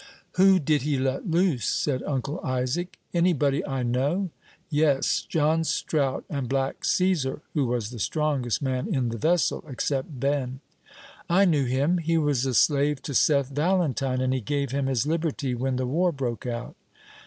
"Who did he let loose?" said Uncle Isaac; "anybody I know?" "Yes; John Strout, and black Cæsar, who was the strongest man in the vessel, except Ben." "I knew him; he was a slave to Seth Valentine, and he gave him his liberty when the war broke out."